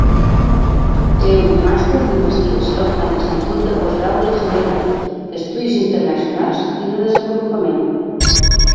Té un màster d'Investigació a l'Institut de Postgrau de Ginebra d'Estudis Internacionals i de Desenvolupament.